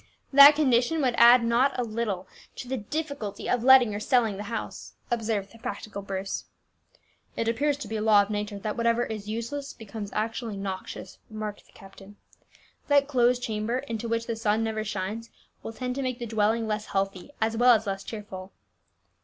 "That condition would add not a little to the difficulty of letting or selling the house," observed the practical Bruce. "It appears to be a law of nature that whatever is useless becomes actually noxious," remarked the captain. "That closed chamber, into which the sun never shines, will tend to make the dwelling less healthy, as well as less cheerful."